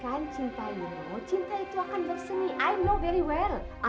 cinta itu akan bersemi i know very well